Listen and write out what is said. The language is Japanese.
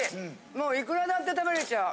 もういくらだって食べれちゃう。